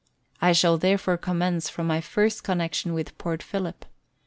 I shall therefore commence from my first connexion with Port Phillip.